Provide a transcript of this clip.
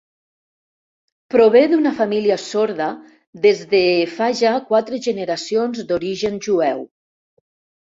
Prové d'una família sorda des de fa ja quatre generacions d'origen jueu.